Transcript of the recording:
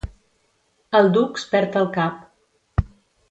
El dux perd el cap.